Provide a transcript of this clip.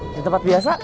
di tempat biasa